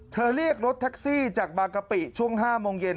เรียกรถแท็กซี่จากบางกะปิช่วง๕โมงเย็น